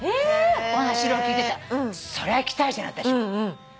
お話色々聞いてそりゃ行きたいじゃない私も。